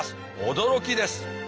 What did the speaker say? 驚きです。